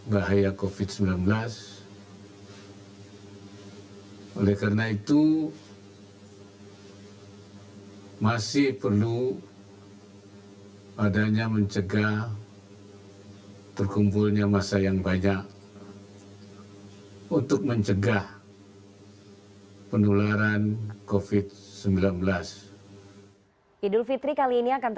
banyak juga masyarakat ini yang